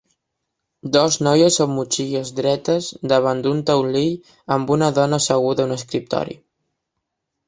Dos noies amb motxilles dretes davant d'un taulell amb una dona asseguda a un escriptori.